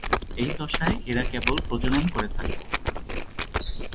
এই দশায় এরা কেবল প্রজনন করে থাকে।